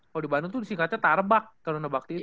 kalo di bandung tuh singkatnya tarbak taruna bakti itu